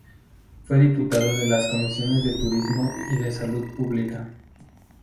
Fue diputado de las Comisiones de Turismo y de Salud Pública.